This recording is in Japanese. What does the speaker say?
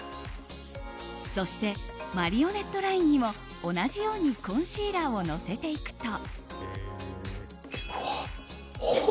そしてマリオネットラインにも同じようにコンシーラーをのせていくと。